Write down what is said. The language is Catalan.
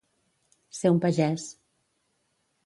Ser un pagès.